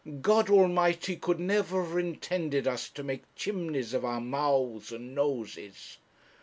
God Almighty could never have intended us to make chimneys of our mouths and noses.